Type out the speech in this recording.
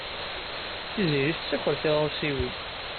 Tiziri tettaker tiɣawsiwin.